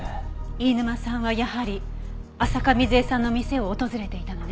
飯沼さんはやはり浅香水絵さんの店を訪れていたのね。